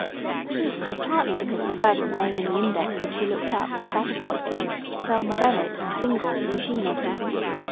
This was partly because the first name in the index that she looked up was that of Watkins, Thelma Bennett, single, machinist.